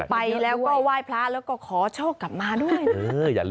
ไปแล้วก็ไหว้พระแล้วก็ขอโชคกลับมาด้วยนะ